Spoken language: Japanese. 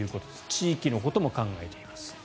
地域のことも考えています。